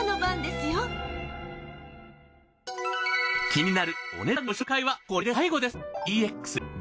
気になるお値段のご紹介はこれで最後です。